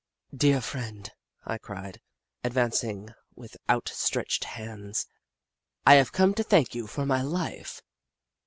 " Dear friend," I cried, advancing with out stretched hands, " I have come to thank you for my life